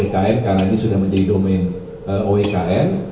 karena ini sudah menjadi domain oekn